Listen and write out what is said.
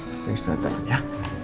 kita istirahat aja ya